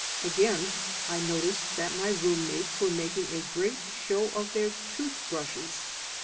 Again, I noticed that my room mates were making a great show of their tooth brushes.